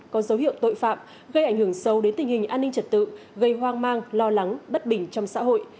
có dấu hiệu tội phạm gây ảnh hưởng sâu đến tình hình an ninh trật tự gây hoang mang lo lắng bất bình trong xã hội